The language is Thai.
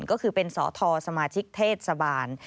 ก็คือเป็นสทสเทศสบาน